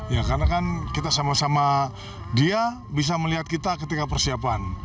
ya karena kan kita sama sama dia bisa melihat kita ketika persiapan